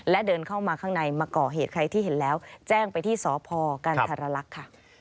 และเดินเข้ามาข้างในมาก่อเหตุใครที่เห็นแล้วแจ้งไปที่สพกันธรรลักษณ์ค่ะ